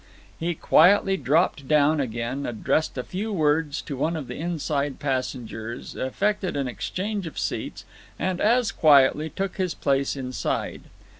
He quietly dropped down again, addressed a few words to one of the inside passengers, effected an exchange of seats, and as quietly took his place inside.